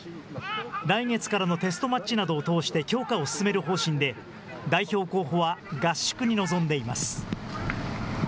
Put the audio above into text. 来月からのテストマッチなどを通して強化を進める方針で、代表候補は合宿に臨んでいます。